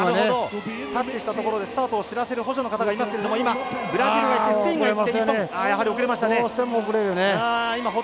タッチしたところでスタートを知らせる補助の方がいますけれども今、ブラジルがいってスペインがいって、日本。